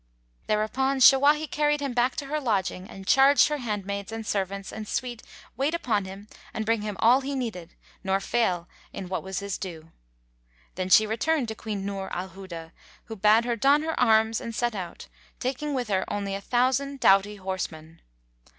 Thereupon Shawahi carried him back to her lodging and charged her handmaids and servants and suite wait upon him and bring him all he needed nor fail in what was his due. Then she returned to Queen Nur al Huda, who bade her don her arms and set out, taking with her a thousand doughty horsemen.